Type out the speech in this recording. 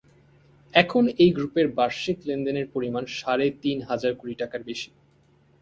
এখন এই গ্রুপের বার্ষিক লেনদেনের পরিমাণ সাড়ে তিন হাজার কোটি টাকার বেশি।